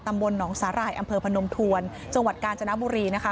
ตำบลหนองสาหร่ายอำเภอพนมทวนจังหวัดกาญจนบุรีนะคะ